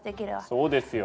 そうですよ。